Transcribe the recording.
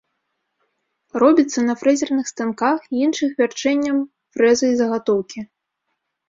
Робіцца на фрэзерных станках і іншых вярчэннем фрэзы і загатоўкі.